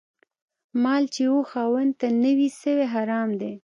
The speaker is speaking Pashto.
مال چي و خاوند ته نه وي سوی، حرام دی